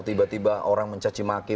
tiba tiba orang mencacimaki